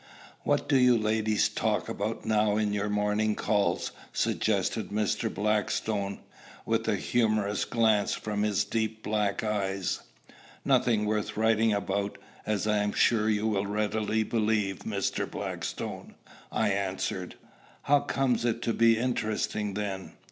"What do you ladies talk about now in your morning calls?" suggested Mr. Blackstone, with a humorous glance from his deep black eyes. "Nothing worth writing about, as I am sure you will readily believe, Mr. Blackstone," I answered. "How comes it to be interesting, then?"